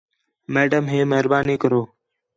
میڈم ہے مہربانی کرو